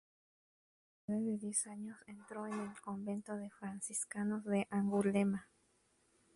A la edad de diez años, entró en el convento de franciscanos de Angulema.